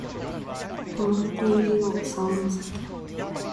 とまっているよ竿の先